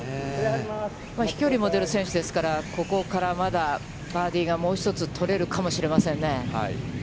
飛距離も出る選手ですから、ここからまだ、バーディーがもう一つ取れるかもしれませんね。